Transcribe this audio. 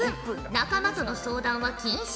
仲間との相談は禁止。